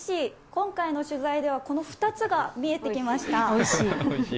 今回の取材ではこの２つが見えてきました。